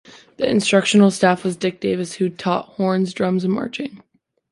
The instructional staff was Dick Davis, who taught horns, drums, and marching.